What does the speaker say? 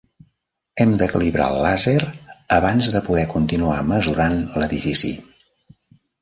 Hem de calibrar el làser abans de poder continuar mesurant l'edifici.